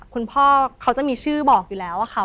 คุณพ่อเขาจะมีชื่อบอกอยู่แล้วค่ะ